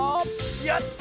やった！